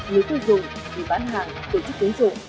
nếu sử dụng thì bán hàng tổ chức tiến dụng